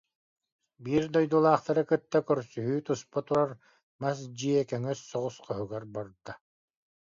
Биир дойдулаахтары кытта көрсүһүү туспа турар мас дьиэ кэҥэс соҕус хоһугар барда